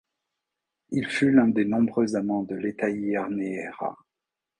Il fut l'un des nombreux amants de l'hétaïre Néaira.